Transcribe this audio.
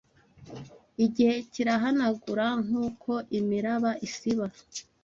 Igihe kirahanagura nkuko imiraba isiba